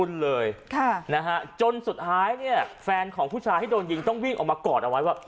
เลยค่ะนะฮะจนสุดท้ายเนี่ยแฟนของผู้ชายที่โดนยิงต้องวิ่งออกมากอดเอาไว้ว่า